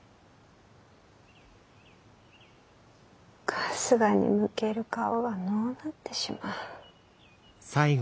春日に向ける顔がのうなってしまう。